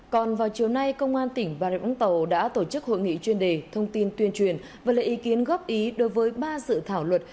còn vào chiều nay công an tỉnh bà rịa úng tàu đã tổ chức hội nghị chuyên đề thông tin tuyên truyền và lệ ý kiến góp ý đối với ba dự thảo luật